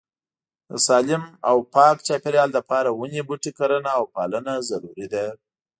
د سالیم او پاک چاپيريال د پاره وني بوټي کرنه او پالنه ضروري ده